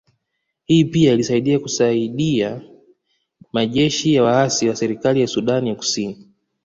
Hii pia ilisaidia kusaidia majeshi ya waasi wa serikali ya Sudani ya Kusini